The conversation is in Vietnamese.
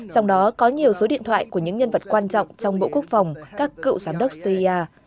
trong đó có nhiều số điện thoại của những nhân vật quan trọng trong bộ quốc phòng các cựu giám đốc cia